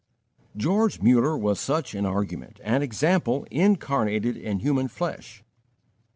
George Muller was such an argument and example incarnated in human flesh.